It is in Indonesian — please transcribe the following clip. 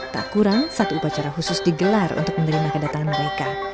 tak kurang satu upacara khusus digelar untuk menerima kedatangan mereka